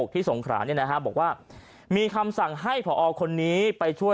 ๑๖ที่สงครานนะครับบอกว่ามีคำสั่งให้ผอคนนี้ไปช่วย